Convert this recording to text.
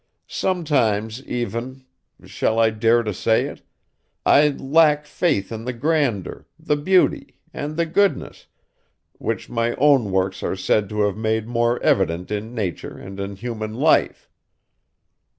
Sometimes, even shall I dare to say it? I lack faith in the grandeur, the beauty, and the goodness, which my own works are said to have made more evident in nature and in human life.